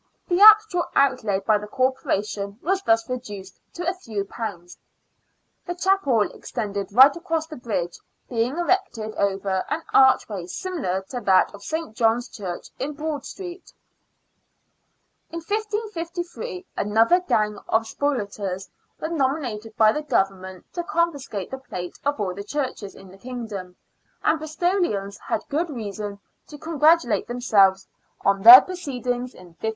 The actual outlay by the Corporation was thus reduced to a few pounds. The chapel extended right across the bridge, being erected over an archway similar to that of St. John's Church in Broad Street. In 1553 another gang of spoliators was nominated by the Government to confiscate the plate of all the churches in the kingdom, and Bristolians had good reason to con gratulate themselves on their proceedings in 1546.